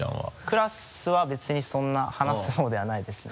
クラスは別にそんな話す方ではないですね。